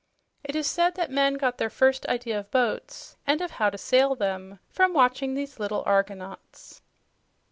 It is said that men got their first idea of boats and of how to sail them from watching these little argonauts.